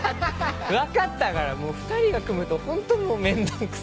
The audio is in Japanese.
分かったからもう２人が組むとホントもう面倒くさい。